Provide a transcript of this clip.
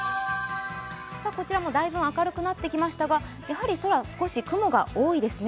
こちらもだいぶ明るくなってきましたがやはり空は少し雲が多いですね。